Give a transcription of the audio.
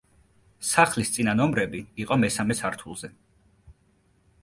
სახლის წინა ნომრები იყო მესამე სართულზე.